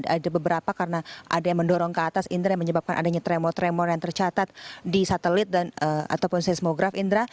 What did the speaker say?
ada beberapa karena ada yang mendorong ke atas indra yang menyebabkan adanya tremor tremor yang tercatat di satelit ataupun seismograf indra